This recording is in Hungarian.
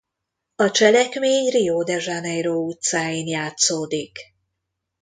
A cselekmény Rio de Janeiro utcáin játszódik.